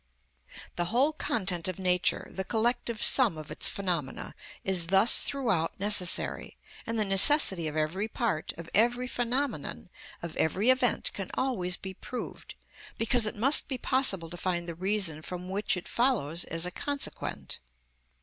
The whole content of Nature, the collective sum of its phenomena, is thus throughout necessary, and the necessity of every part, of every phenomenon, of every event, can always be proved, because it must be possible to find the reason from which it follows as a consequent.